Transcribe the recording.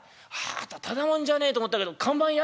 あなたただもんじゃねえと思ったけど看板屋？」。